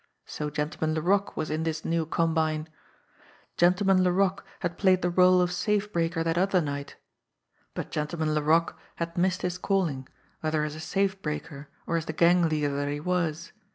So Gentleman Laroque was in this new combine! Gentleman Laroque had played the role of safe breaker that other night but Gentleman Laroque had missed his calling, whether as a safe breaker or as the gang leader that he was.